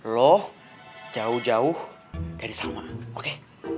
lo jauh jauh dari sana oke